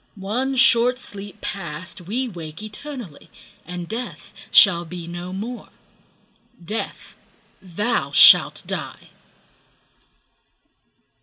One short sleep past, we wake eternally, And Death shall be no more: Death, thou shalt die!